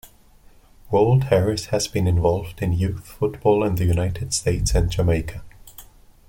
Wolde Harris has been involved in youth football in the United States and Jamaica.